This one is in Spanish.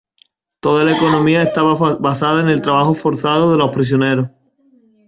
Toda la economía estaba basada en el trabajo forzado de los prisioneros.